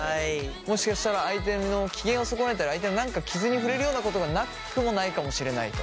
もしかしたら相手の機嫌を損ねたり相手の何か傷に触れるようなことがなくもないかもしれないと？